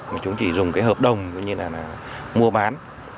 mà chúng chỉ dùng cái hợp đồng ví như là mua bán